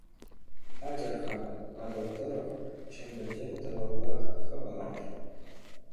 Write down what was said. Атьӑр-ха, Атӑл тӑрӑх Чӗмпӗртен тӑвалла хӑпарар.